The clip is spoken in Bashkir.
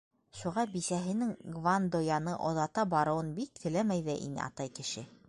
Шуға бисәһенең Гвандояны оҙата барыуын бик теләмәй ҙә ине атай кеше.